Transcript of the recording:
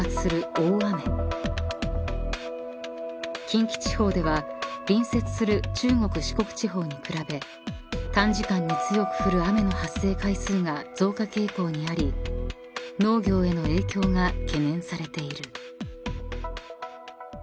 ［近畿地方では隣接する中国四国地方に比べ短時間に強く降る雨の発生回数が増加傾向にあり農業への影響が懸念されている］